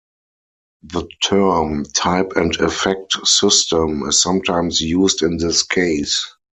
The term "type and effect system" is sometimes used in this case.